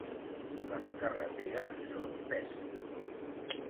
Les carreteres són pèssimes.